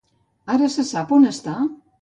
Ara se sap on està?